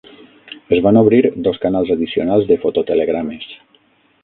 Es van obrir dos canals addicionals de fototelegrames.